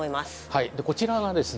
はいこちらがですね